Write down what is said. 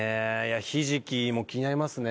ひじきも気になりますね。